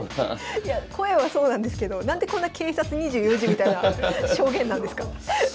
いや声はそうなんですけど何でこんな「警察２４時」みたいな証言なんですか？